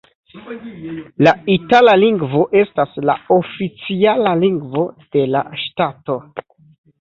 La itala lingvo estas la oficiala lingvo de la ŝtato.